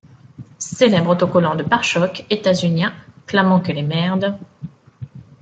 Célèbre autocollant de parechocs étasunien clamant que «Les merdes.